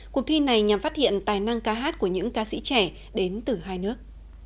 cuộc thi này nhằm phát hiện tài năng ca hát của những ca sĩ trẻ đến từ hai nước